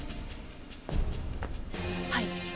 はい。